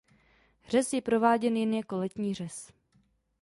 Řez je prováděn jen jako letní řez.